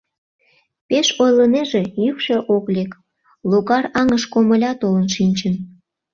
Пеш ойлынеже — йӱкшӧ ок лек, логар аҥыш комыля толын шинчын.